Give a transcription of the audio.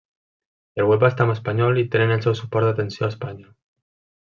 El web està en espanyol i tenen el seu suport d'atenció a Espanya.